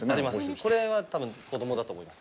これは多分子供だと思います。